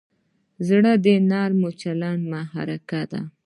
زړه د نرم چلند محرک دی.